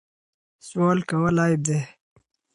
سوال کول عیب دی.